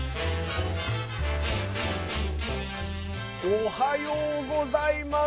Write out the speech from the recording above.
おはようございます。